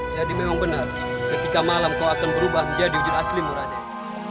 jadi memang benar ketika malam kau akan berubah menjadi hujan aslimu raden